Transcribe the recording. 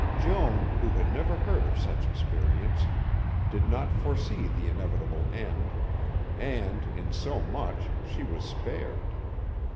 Joan, who had never heard of such experience, did not foresee the inevitable end, and, in so much, she was spared.